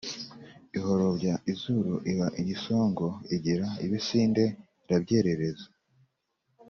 Ihorobya izuru iba igisongo Igira ibisinde irabyerereza